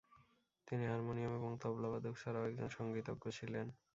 তিনি হারমোনিয়াম এবং তবলা বাদক ছাড়াও একজন সঙ্গীতজ্ঞ ছিলেন।